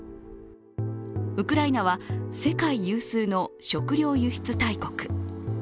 ウクライナは世界有数の食料輸出大国。